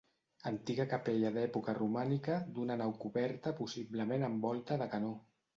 Antiga capella d'època romànica, d'una nau coberta possiblement amb volta de canó.